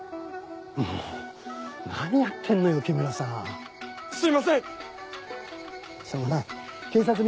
もう何やってんのよ木村さんすいません！